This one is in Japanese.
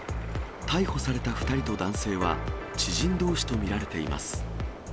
逮捕された２人と男性は、知人どうしと見られています。